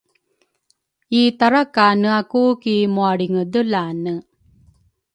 itara kaneaku ki mualringedelane.